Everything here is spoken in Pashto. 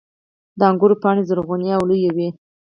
• د انګورو پاڼې زرغون او لویې وي.